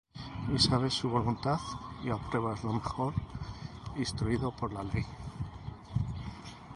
Y sabes su voluntad, y apruebas lo mejor, instruído por la ley;